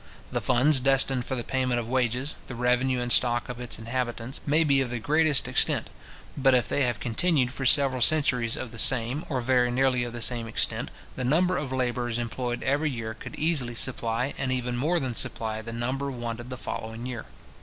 The funds destined for the payment of wages, the revenue and stock of its inhabitants, may be of the greatest extent; but if they have continued for several centuries of the same, or very nearly of the same extent, the number of labourers employed every year could easily supply, and even more than supply, the number wanted the following year.